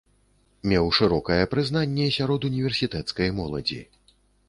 Меў шырокае прызнанне сярод універсітэцкай моладзі.